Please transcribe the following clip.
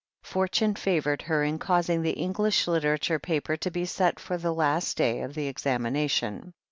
Fortune favoured her in causing the English Litera ture paper to be set for the last day of the examination.